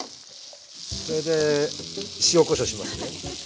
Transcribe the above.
これで塩こしょうしますね。